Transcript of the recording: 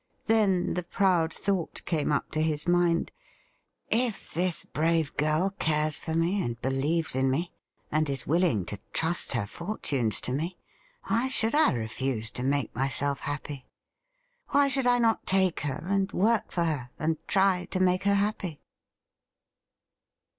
Then the pi oud thought came up to his mind :' If this brave girl cares for me, and believes in me, and is willing to trust her fortunes to me, why should I refuse to make myself happy ? Why should I not take her and work for her, and try to make her happy